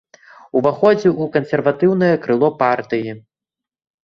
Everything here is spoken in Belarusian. Уваходзіў у кансерватыўнае крыло партыі.